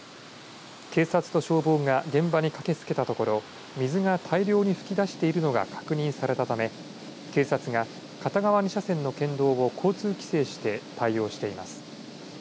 警察と消防が現場に駆けつけたところ水が大量に噴き出しているのが確認されたため警察が片側２車線の県道を交通規制して対応しています。